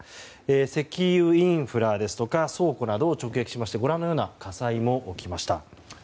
石油インフラですとか倉庫などを直撃しましてご覧のような火災も起きました。